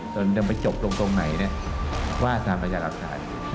ต้องเดินไปจบตรงไหนว่าสถานพยายามรับฐาน